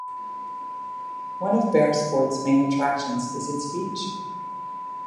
One of Beresford's main attractions is its beach.